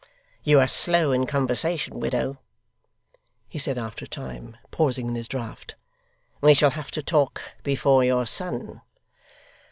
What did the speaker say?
'You are slow in conversation, widow,' he said after a time, pausing in his draught. 'We shall have to talk before your son.